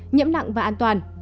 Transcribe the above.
nhiễm nặng và an toàn